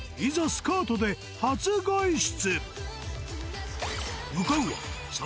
スカートで初外出！